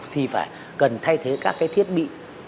thì phải cần thay thế các thiết bị